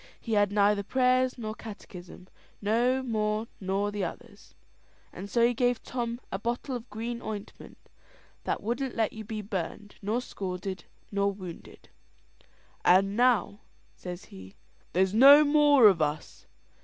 He had neither prayers nor catechism no more nor the others; and so he gave Tom a bottle of green ointment, that wouldn't let you be burned, nor scalded, nor wounded. "And now," says he, "there's no more of us.